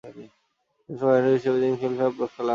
শ্রেষ্ঠ কাহিনীকার হিসাবে তিনি ফিল্ম ফেয়ার পুরস্কার লাভ করেন।